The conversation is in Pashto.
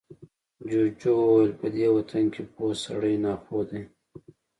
جوجو وويل، په دې وطن کې پوه سړی ناپوه دی.